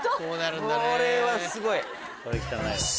これはすごい。